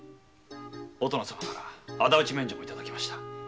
お殿様から仇討ち免状もいただきました